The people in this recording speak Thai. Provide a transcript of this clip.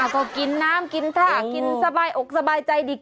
ก็กินน้ำกินท่ากินสบายอกสบายใจดี